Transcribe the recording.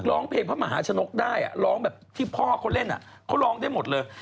ร้องเพลงพระมหาชนกได้ร้องแบบที่พ่อเขาเล่นเขาร้องได้หมดเลย